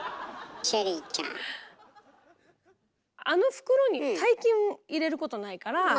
あの袋に大金を入れることないから。